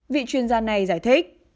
vị chuyên gia này giải thích